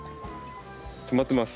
止まってます